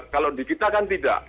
kalau di kita kan tidak